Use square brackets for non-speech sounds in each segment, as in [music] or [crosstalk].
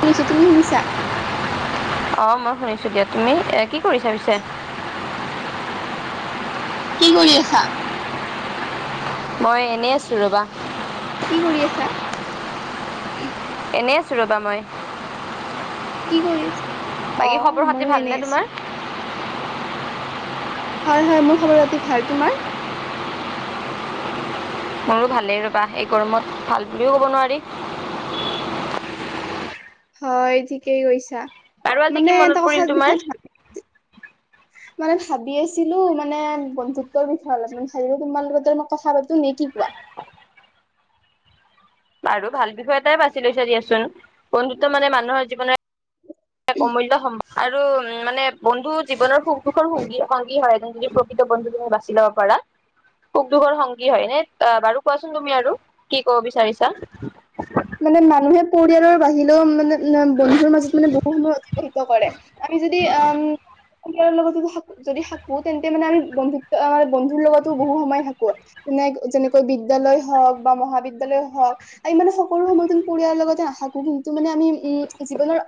শুনিছোঁ, তুমি শুনিছা। অ', মই শুনিছোঁ দিয়া তুমি, এ কি কৰিছা পিছে? কি কৰি আছা? মই এনেই আছোঁ, ৰ'বা। কি কৰি আছা? এনেই আছোঁ ৰ'বা, মই। কি কৰিছ, বাকী খবৰ অ', খাতি মইয়ো ভালনে এনেই তোমাৰ আছোঁ। হয়, হয়, মোৰ খবৰ-খাতি ভাল, তোমাৰ? মোৰো ভালেই ৰ'বা। এই গৰমত ভাল বুলিও ক'ব নোৱাৰি। হয়, ঠিকেই কৈছা, বাৰু আজি মানে কি মনত এটা কথা পৰিল বিষয়ে ভা [inaudible] মানে ভাবি আছিলোঁ, মানে বন্ধুত্বৰ বিষয়ে, অলপ মানে ভাবিলোঁ তোমালগতে অলপ কথা পাতোঁ, নে কি কোৱা। বাৰু ভাল বিষয় এটাই বাছি লৈছা দিয়াচোন, বন্ধুত্ব মানে মানুহৰ জীৱনৰ অমূল্য সম, আৰু উম, মানে বন্ধু জীৱনৰ সুখ-দুখৰ সংগী হয়, এনে যদি প্ৰ প্ৰকৃত বন্ধু, তুমি বাছি ল'ব পাৰা। সুখ-দুখৰ সংগী হয়, এনে বাৰু কোৱাচোন, তুমি আৰু, কি ক'ব বিচাৰিছা। মানে, মানুহে পৰিয়ালৰ বাহিৰেও মানে। না বন্ধুৰ মাজত মানে বহু সময় অতিবাহিত কৰে, আমি যদি উম। পৰিয়ালৰ লগতো থাকোঁ, যদি থাকোঁ, তেন্তে মানে আমি, বন্ধুত্ব আ বন্ধুৰ লগতো বহু সময় থাকোঁ। যেনে, যেনেকৈ, বিদ্যয়ালয় হওঁক বা মহাবিদ্যয়ালয় হওঁক আৰু ইমানে সৰু সময়টো পৰিয়ালাৰ লগতে নাথাকো, কিন্তু মানে আমি জীৱনৰ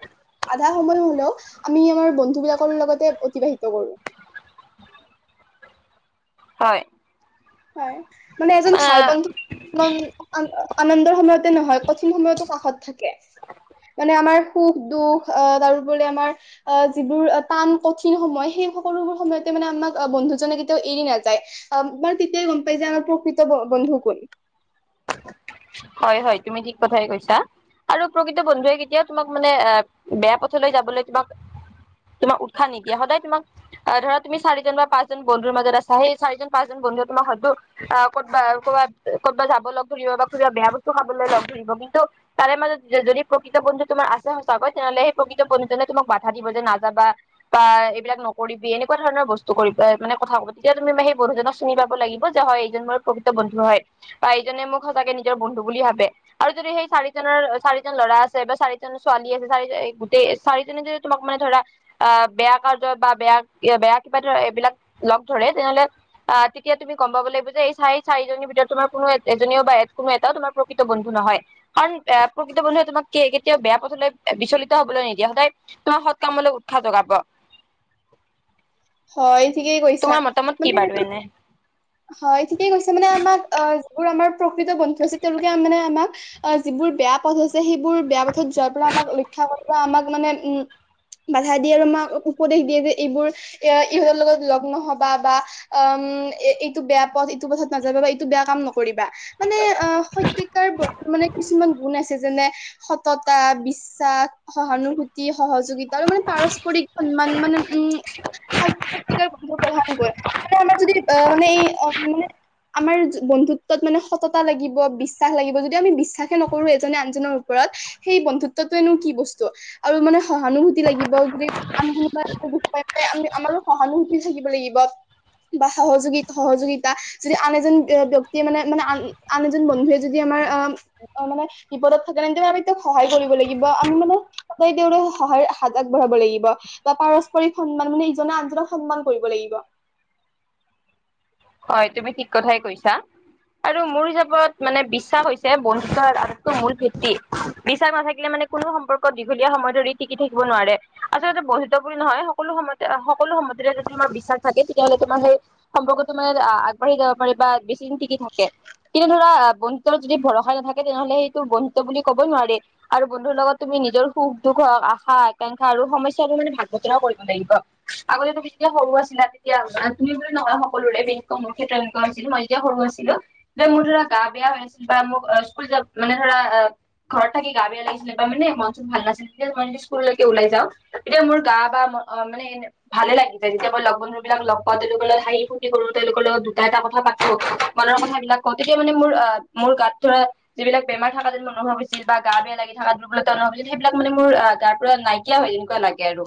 আধা সময় হ'লেও, আমি আমাৰ বন্ধু বিলাকৰ লগতে, অতিবাহিত কৰোঁ। হয়। হয়, মানে এজন ভাল আহ, বান্ধৱী, আন্দ আনন্দৰ সময়ত নহয়, কঠিন সময়তো কাষত থাকে, মানে আমাৰ সুখ-দুখ আ, তাৰোপৰি আমাৰ আ যিবোৰ টান, কঠিন সময়, সেই সকলোবোৰ সময়তে মানে, আপোনাক বন্ধুজনে কেতিয়াও এৰি নাযায়। অঁ, মই তেতিয়াই গম পাই যে আমাৰ প্ৰকৃত বন্ধু কোন! হয়, হয়। তুমি ঠিক কথাই কৈছা। আৰু প্ৰকৃত বন্ধুৱে কেতিয়াও তোমাক মানে বেয়া পথলৈ যাবলৈ তোমাক - তোমাক উৎসাহ নিদিয়ে, সদায় তোমাক- ধৰা তুমি চাৰিজন বা পাঁচজন বন্ধুৰ মাজত আছা। সেই চাৰিজন, পাঁচজন বন্ধুৱে তোমাক হয়তো - আহ ক'বা ক'ৰবা ক'বাত যাব লগ ধৰিব বা কোনোবা বেয়া বস্তু খাবলৈ লগ ধৰিব। কিন্তু - তাৰে মাজত যদি প্ৰকৃত বন্ধু তোমাৰ আছে সঁচাকৈ তেনেহলে সেই প্ৰকৃত বন্ধুজনে তোমাক বাধা দিব যে নাযাবা- বা এইবিলাক নকৰিবি এনেকুৱা ধৰণৰ বস্তু কৰিবা মানে কথা কব। তেতিয়া তুমি সেই বন্ধু জনক- চিনি পাব লাগিব যে হয় এইজন মোৰ প্ৰকৃত বন্ধু হয় বা এইজনে মোক সঁচাকে নিজৰ বন্ধু বুলি ভাবে। আৰু যদি সেই চাৰিজনৰ, চাৰিজন ল'ৰা আছে বা চাৰিজন- ছোৱালী আছে, চাৰি গোটেই চাৰিজনে যে তোমাক মানে ধৰা- আহ বেয়া কাৰ্যত বা বেয়া কিবা ধৰা এইবিলাক ধৰে তেনেহ'লে- অঁ, তেতিয়া তুমি গম পাব লাগিব যে এই চাৰি- চাৰিজনীৰ ভিতৰত তোমাৰ কোনো এজনীও বা- কোনো এটাও তোমাৰ প্ৰকৃত বন্ধু নহয়। কাৰণ এ প্ৰকৃত বন্ধুৱে তোমাক কেতিয়াও বেয়া পথলৈ বিচলিত হবলৈ নিদিয়ে, সদায়- তোমাক সৎকামলৈ উৎসাহ জগাব। হয়, ঠিকে কৈছা। তোমাৰ মতামত কি বাৰু মানে- এনে হয়, ঠিকেই কৈছে মানে আমাক অঁ যিবোৰ আমাৰ প্ৰকৃত বন্ধু আছে তেওঁলোকে মানে আমাক- অঁ, যিবোৰ বেয়া পথ হৈছে সেইবোৰ বেয়া পথত যোৱাৰ পৰা আমাক ৰক্ষা কৰিব বা আমাক মানে উম, - বাধা দিয়ে আৰু আমাক উপদেশ দিয়ে যে এইবোৰ- এ ইহঁতৰ লগত লগ নহবা বা আম এ- এইটো বেয়া পথ, ইটো পথত নাযাবা বা এইটো বেয়া কাম নকৰিবা। মানে- আ সত্যতাৰ কিছুমান গুণ আছে যেনে সততা, বিশ্বাস, - সহানুভূতি, সহযোগিতা আৰু মানে পাৰস্পৰিক সন্মান। মানে উম, - [unintelligible] গ্ৰহন কৰে মানে আমাৰ যদি আহ মানে এই মানে- আমাৰ বন্ধুত্বত মানে সততা লাগিব, বিশ্বাস লাগিব। যদি আমি বিশ্বাসে নকৰো এজনে আনজনৰ ওপৰত- সেই বন্ধুত্বটোেনো কি বস্তু! আৰু মানে সহানুভূতি লাগিব যে- আম আমি আমাৰো সহানুভতি থাকিব লাগিব বা সহযোগিতা। সহযোগিতা। যদি আন এজন ব্যক্তিয়ে মানে মানে আন আন এজন বন্ধুৱে যদি আমাৰ আহ- অঁ, মানে বিপদত থাকে ন, তেতিয়া আমি তেওঁক সহায় কৰিব লাগিব বা আমি মানে- সদায় তেওঁৰে সহায়ৰ হাত আগবঢ়াব লাগিব। বা পাৰস্পৰিক সন্মান মানে ইজনে আনজনক সন্মান কৰিব লাগিব। হয়, তুমি ঠিক কথাই কৈছা। আৰু মোৰ হিচাপত মানে বিশ্বাস হৈছে বন্ধুতাৰ আটাইতকৈ মূল ভিত্তি। বিশ্বাস নাথাকিলে মানে- কোনো সম্পৰ্ক দীঘলীয়া সময় ধৰি টিকি থাকিব নোৱাৰে। আচলতে বন্ধুত বুলি নহয় সকলো সময়ত- সকলো সম্পৰ্ক যদি তোমাৰ বিশ্বাস থাকে, তেতিয়া হ'লে তোমাৰ সেই সম্পৰ্ক- মানে আগবাঢ়ি যাব পাৰে বা বেছি দিন টিকি থাকে। কিন্তু ধৰা বন্ধুত্বত যদি ভৰসা নাথাকে তেনেহলে সেইটো বন্ধুত্ব বুলি কবই নোৱাৰি। আৰু বন্ধুৰ লগত তুমি নিজৰ সুখ -দুখক, আশা, আকাংক্ষা আৰু সমস্যাৰ মানে ভাগ বতৰাও কৰিব লাগিব। আগতে তুমি যেতিয়া সৰু আছিলা তেতিয়া তুমি বুলি নহয়- সকলোৰে মোৰ ক্ষেত্ৰ এনেকা আছিল, মই যেতিয়া সৰু আছিলোঁ। যে মোৰ ধৰা গা বেয়া হৈ আছিল বা মোক স্কুল যাব মানে ধৰা- ঘৰত থাকি গা বেয়া লাগিছিলে মানে মন চব ভাল নাছিল- তেতিয়া মই স্কুললৈকে ওলাই যাওঁ। তেতিয়া মোৰ গা বা মানে- ভালে লাগি যায়। যেতিয়া মই লগ বন্ধুবিলাক লগ পাওঁ, তেওঁলোকৰ লগত হাঁহি- কৰো তেওঁলোকৰ লগত দুটা এটা কথা পাতো। মনৰ কথাাবিলাক কওঁ তেতিয়া মানে মোৰ আহ মোৰ গাত ধৰা যিবিলাক বেমাৰ থকা যেন ম অনুভৱ হৈছিল বা গা বেয়া লাগি থাত বলা অনুভ হৈছিল সেইবিলাক মান মোৰ তাৰ পৰা নাই এতিয়াও এনেকুৱা লাগে আৰু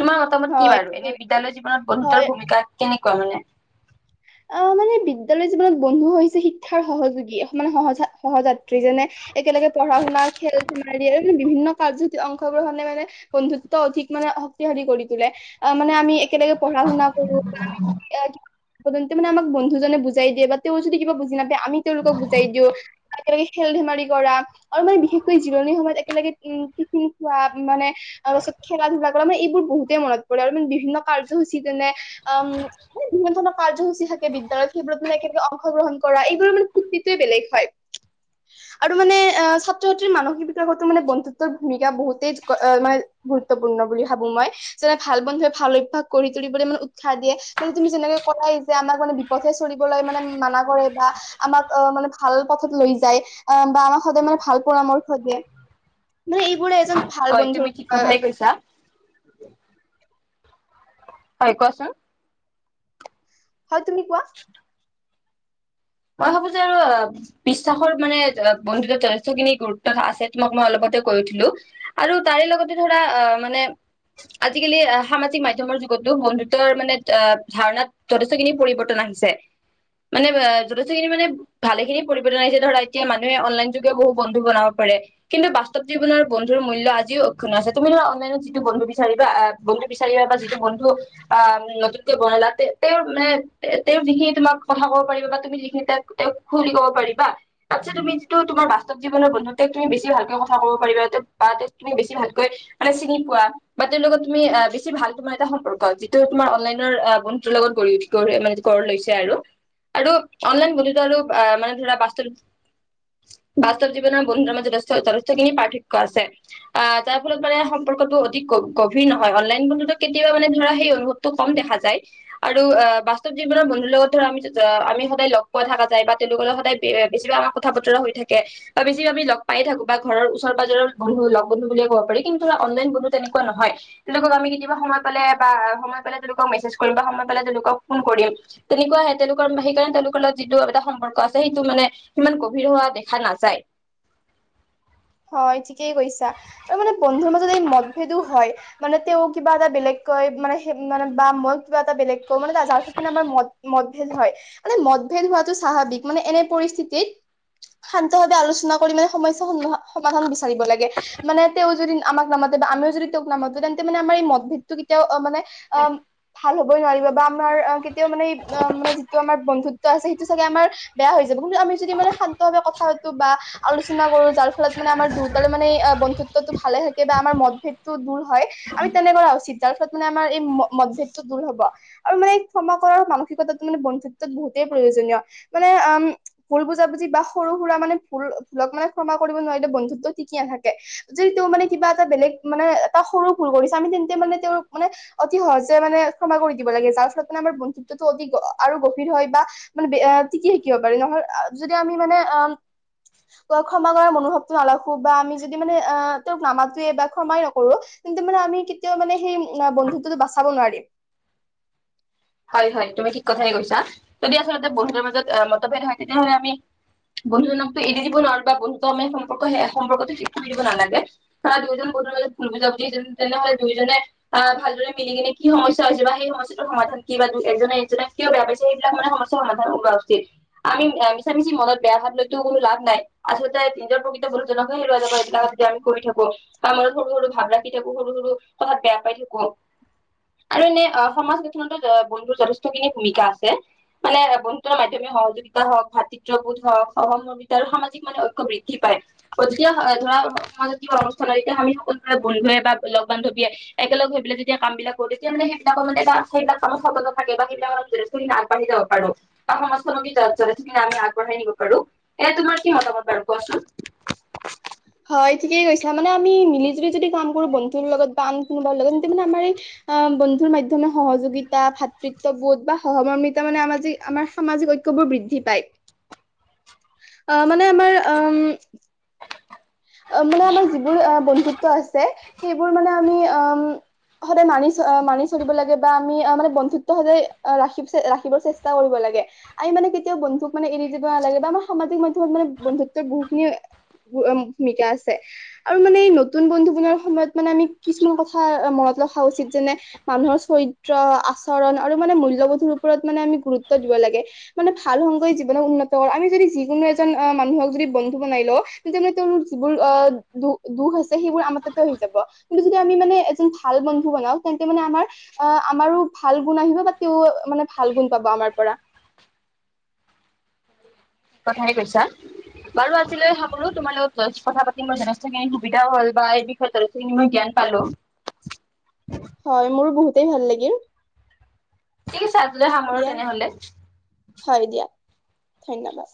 তোমাৰ মতামত কি হয় বাৰু এনে বিদ্যালয় জীৱনত বন্ধুত্বৰ হয় ভূমিকা কেনেকুৱা মানে অ মানে বিদ্যালয়ৰ জীৱনত বন্ধু হৈছে শিক্ষাৰ সহযোগী মানে সহজা সহযাত্ৰী যেনে একেলগে পঢ়া শুনা খেল ধেমালি আৰু বিভিন্ন কাৰ্য অংশগ্ৰহণে মানে বন্ধুত্ব অধিক মানে শক্তিশালী কৰি তোলে আহ মানে আমি একেলগে পঢ়া শুনা কৰোঁ মানে আমাক বন্ধুজনে বুজাই দিয়ে বা তেওঁ যদি কিবা বুজি নাপায় আমি তেওঁলোকক বুজাই দিওঁ একেলগে খেল ধেমালি কৰা আৰু মানে বিশেষকৈ জিৰণিৰ সময়ত একেলগে [unintelligible] টিফিন খোৱা মানে তাৰ পাছত খেল ধোলা মানে এইবোৰ বহুতেই মনত পৰে আৰু বিভিন্ন কাৰ্যসূচী যেনে উম বিভিন্ন ধৰণৰ কাৰ্যসূচী থাকে বিদ্যালয় সেইবোৰত মানে একেলগে অংশগ্ৰহণ কৰা এইবোৰৰ মান ফুৰ্তিটোৱে বেলেগ হয়। [inaudible] আৰু মানে আহ ছাত্ৰ ছাত্ৰীৰ মানসিক বিকাশতো মানে বন্ধুত্বৰ ভূমিকা বহুতেই মানে গুৰুত্বপূৰ্ণ বুলি ভাবো মই। যেনে ভাল বন্ধুৱে ভাল অভ্যাস কৰি তুলিবলৈ মানে উৎসাহ দিয়ে মানে তুমি যেনেকে কথা যে আমাক মানে বিপথে চলিবলৈ মানা কৰে বা আমাক অ মানে ভাল পথত লৈ যায়, বা আমাক সদায় মানে ভাল পৰামৰ্শ দিয়ে। মানে এইবোৰে এজন ভাল হয় তুমি বন্ধুৰ ঠিক কথাই কৈছা হয় কোৱাচোন! হয় তুমি কোৱা। [inaudible] মই ভাবো যে আৰু বিশ্বাসৰ মানে বন্ধুত্বত যথেষ্টখিনি গুৰুত্ব আছে তোমাক মই অলপতে কৈ উঠিলো। আৰু তাৰে লগতে ধৰা অ' মানে আজিকালি সামাজিক মাধ্যমৰ যুগতো বন্ধুত্বৰ মানে ধাৰণাত যথেষ্টখিনি পৰিৱৰ্তন আহিছে মানে যথেষ্টখিনি মানে ভালে খিনি পৰিৱৰ্তন আহিছে ধৰা এতিয়া মানুহে অনলাইন যোগেও বহু বন্ধু বনাব পাৰে। কিন্তু বাস্তৱ জীৱনৰ বন্ধুৰ মূল্য আজিও অক্ষুন্ন আছে। তুমি ধৰা অনাইনত যিটো বন্ধু বিচাৰিবা আহ বন্ধু বিচাৰিবা বা যিটো বন্ধু আহ নতুনকে বনালা তেওঁৰ মানে তেওঁৰ যিখিনি তোমাক কথা ক'ব পাৰিব বা তুমি যিখিনি তাক তেওঁক খুলি ক'ব পাৰিবা। তাতচ্চে তুমি যিটো তোমাৰ বাস্তৱ জীৱনৰ বন্ধু তেওঁ তুমি বেছি ভালকৈ কথা কব পাৰিবা বা তুমি বেছি ভালকৈ মানে চিনি পোৱা। বা তেওঁৰ লগত তুমি আহ বেছি ভাল তোমাৰ এটা সম্পৰ্ক যিটো তোমাৰ অনলাইনৰ বন্ধুতৰ লগত গঢ়ি গঢ় মানে গঢ় লৈছে আৰু। আৰু অনলাইন বন্ধুত্ব হ'লেও আহ মানে ধৰা বাস্ত বাস্তৱ জীৱনৰ বন্ধুত্বৰ মাজত যথেষ্ট খিনি পাৰ্থক্য আছে। আহ তাৰ ফলত মানে সম্পৰ্কটো অধিক গভীৰ নহয় অনলাইন বন্ধুত কেতিয়াবা মানে ধৰা সেই অনুভ কম দেখা যায়। আৰু অ বাস্তৱ জীৱনৰ বন্ধুৰ লগত ধৰা আমি সদায় লগ পোৱা থকা যায় বা তেওঁলোকৰ লগত সদায় বেছিভাগ আমাৰ কথা বতৰা হৈ থাকে। বা বেছি আমি লগ পাই থাকো বা ঘৰ ওচৰ পাজৰ বন্ধু লগ বন্ধুু বুলিয়ে কব পাৰি কিন্তু অনলাইন বন্ধু তেনেকুৱা নহয়। তেওঁলোকক আমি কেতিয়াবা সময় পালে বা সময় পালে তেওঁলোকক মেছেজ কৰিম বা সময় পালে তেওঁলোকক ফোন কৰিম তেনেকুৱা আহে তেওঁলোকৰ সেইকাৰণে তেওঁলোক ত যিটো এটা সম্পৰ্ক আছে সেইটো মানে সিমান গভীৰ হোৱা দেখা নাযায়। হয় ঠিকেই কৈছা ত মানে বন্ধুৰ মাজত এই মতভেদো হয়। মানে তেওঁ কিবা এটা বেলেগকৈ মানে- মানে বা মই কিবা এটা বেলেগ [unintelligible] ভেদ হয় মানে মতভেদ হোৱাটো স্বাভাৱিক মানে এনে পৰিস্থিতিত শান্ত ভাৱে আলোচনা কৰি মানে সমস্যা সম- সমাধান বিচাৰিব লাগে। মানে তেওঁ যদি আমাক নামাতে বা আমিও যদি তেওঁক নামাতো তেন্তে মানে আমাৰ এই মদ ভেদটো কেতিয়াও মানে অ' ভাল হবই নোৱাৰিব বা আমাৰ কেতিয়াও মানে মানে যিটো আমাৰ বন্ধুত্ব আছে সেইটো চাগে আমাৰ বেয়া হৈ যাব কিন্তু আমি যদি মানে শান্তভাৱে কথা পাতো বা আলোচনা কৰো যাৰ [unintelligible] মানে আমাৰ দুতাৰ মানে বন্ধুত্বটো ভালে [unintelligible] [unintelligible] আমাৰ মদভেদটো দূৰ হয়। আমি তেনে কৰা উচিত যাৰ ফলত মানে আমাৰ এই মদভেদটো দূৰ হব। আৰু মানে ক্ষমা কৰাৰ মানসিকতাটো মানে বন্ধুত্বত বহুতেই প্ৰয়োজনীয় মানে ভুল বুজাবুজি বা সৰু সুৰা মানে ভুল-বোৰক মানে ক্ষমা কৰিব নোৱাৰিলে বন্ধুত্ব টিকি নাথাকে। যদি তেওঁ মানে কিবা এটা বেলেগ মানে এটা সৰু ভুল কৰিছে আমি তেন্তে মানে তেওঁৰ মানে অতি সহজে মানে ক্ষমা কৰি দিব লাগে যাৰ ফলত মানে আমাৰ বন্ধুত্বটো অতি আৰু গভীৰ হয় বা মানে বেয়া টিকি থাকিব পাৰি নহয় যদি আমি মানে অ ক্ষমা কৰ মনোভাৱ নাৰাখো বা আমি যদি মানে আহ তেওঁক নামাতোৱে বা ক্ষমায়ে নকৰো। কিন্তু মানে আমি কেতিয়াও মানে সেই বন্ধুত্ব টো বাচাব নোৱাৰিম। হয়, হয় তুমি ঠিক কথাই কৈছা যদি আচলতে বন্ধুৰ মাজত মতভেদ হয় তেতিয়াহলে আমি বন্ধু নামতটো এৰি দিব নোৱাৰো বা বন্ধুটো আমি সম্পৰ্ক সম্পৰ্কতটো চি চি দিব নালাগে। হা দুয়োজন বন্ধু মাজত ভুল বুজা বুজি তেনেহলে দুইজনেই অ' ভালদৰে মিলি কিনে কি সমস্যা হৈছে বা সেই সমস্যাটো সমাধান কিবা এজনে এজনে কিয় বেয়াপাইছে এইবিলাক মানে সমস্যা সমাধান হোৱা উচিত। আমি মিছামিছি মনত বেয়া ভাবলৈতো লাভ নাই আচলতে নিজৰ প্ৰকৃত বন্ধুজনকহে হেৰুৱা যাব এইবিলাক [unintelligible] কৰি থাকো আমাৰ সৰু সৰু ভাব ৰাখি থাকো সৰু সৰু বেয়া পাই থাকোঁক [unintelligible] এনে সমাজ গঠনত বন্ধুৰ যথেষ্টখিনি ভুমিকা আছে। মানে বন্ধুত্ব মাধ্যমিক সহযোগিতা হওঁক ভাতৃত্ববোধ হওঁক সহযোগিতা আৰু সামাজিক মানে ঐক্য বৃদ্ধি পায়। যেতিয়া ধৰা সমাজত অনুষ্ঠান হয় তেতিয়া আমি সকলোে বন্ধুৱে বা লগ বান্ধৱীয়ে একেলগ হৈ পেলাই যেতিয়া কামবিলাক কৰো তেতিয়া মানে সেইবিলাক মানে [unintelligible] [unintelligible] সতন্ত থাকে বা সেই বিলাকত যথেষ্টখিনি আগবাঢ়ি যাব পাৰো। অ সমাজখন যথেষ্টখিনি আমি আগবঢ়াই নিব পাৰো এয়া তোমাৰ কি মতামত বাৰো কোৱাচোন? [inaudible] হয়, ঠিকেই কৈছা মানে আমি মিলি জুলি যদি কাম কৰো বন্ধুৰ লগত বা আন কোনোবাৰ লগত তেন্তে আমাৰ এই অ' বন্ধুৰ মাধ্যমে সহযোগিতা ভাতৃত্ববোধ বা সহৰ্মিতা মানে আমাৰ যি আমাৰ সামাজিক [unintelligible] বৃদ্ধি পায়। অ' মানে আমাৰ উম, অ' মানে আমাৰ যিবোৰ বন্ধুত্ব আছে সেইবোৰ মানে আমি উম, সদায় মানি চ মানি চলিব লাগে বা আমি মানে বন্ধুত্ব সদায় ৰাখিব ৰাখিবৰ চেষ্টা কৰিব লাগে। আমি মানে কেতিয়াও বন্ধুক মানে এৰি দিব নালাগে বা আমাৰ সামাজিক মাধ্যমত মানে বন্ধুত্বৰ বহুখিনি [unintelligible] আছে। আৰু মানে নতুন বন্ধু বনোৱাৰ সময়ত মানে আমি কিছুমান কথা মনত ৰখা উচিত যেনে মানুহৰ চৰিত্ৰ আচৰণ আৰু মানে মূল্যবোধৰ ওপৰত মানে আমি গুৰুত্ব দিব লাগে। মানে ভাল সংগই জীৱনৰ উন্নত আমি যদি যিকোনো এজন মানুহক যদি বন্ধু বনাই লওঁ তেন্তে মানে তেওঁৰ [unintelligible] বোৰ [unintelligible] আমাৰ তাতে আহি যাব। কিন্তু যদি আমি মানে এজন ভাল বন্ধু বনাওঁ তেন্তে মানে আমাৰ অ' আমাৰো ভাল গুণ আহিব বা তেওঁ মানে ভাল গুণ পাব আমাৰ পৰা। কথাই কৈছা বাৰু আজিলৈ সামৰো তোমাৰ লগত কথা পাতিম বাৰু যথেষ্টখিনি সুবিধাও হ'ল বা যঠেষ্ট খিনি মই জ্ঞান পালো। হয় মোৰো বহুতেই ভাল লাগিল। ঠিক আছে আজিলে সামৰো দিয়া তেনেহলে। হয় দিয়া, ধন্যবাদ।